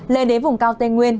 lên đến vùng cao tây nguyên